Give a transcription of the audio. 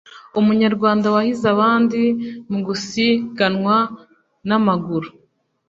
Umunyarwanda yahize abandi mugusiganwa namaguru